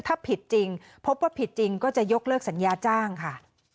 ถ้าผิดจริงพบว่าผิดจริงก็จะยกเลิกสัญญาจ้างค่ะ